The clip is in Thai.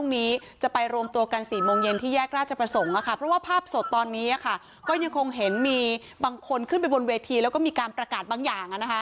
ในภาพสดตอนนี้ก็ยังคงเห็นมีบางคนขึ้นไปบนเวทีแล้วก็มีการประกาศบางอย่าง